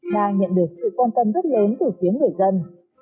đang nhận được sự quan tâm rất lớn từ phía người dân